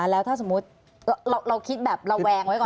แล้วถ้าสมมุติเราคิดแบบระแวงไว้ก่อน